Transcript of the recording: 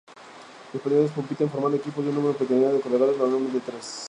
Los patinadores compiten formando equipos de un número predeterminado de corredores, normalmente tres.